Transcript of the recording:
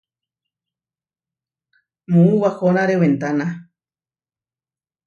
Muú wahonáre wentána.